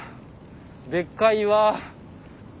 でっかい岩！